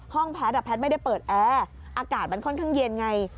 แพทย์แพทย์ไม่ได้เปิดแอร์อากาศมันค่อนข้างเย็นไง